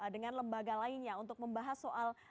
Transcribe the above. dengan lembaga lainnya untuk membahas soal